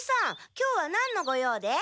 今日はなんのご用で？